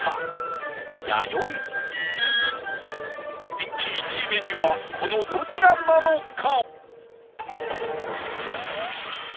人気１位メニューはこのどちらなのか？